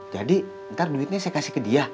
jadi ntar duitnya saya kasih ke dia